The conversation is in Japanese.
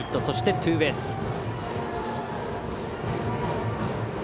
そして、ツーベース。